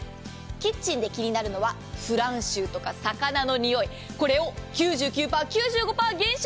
キッチンで気になるのは腐乱臭とか魚のにおいこれを９９％、９５％減少。